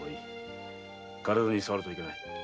体にさわるといけない。